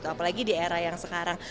apalagi di era yang sekarang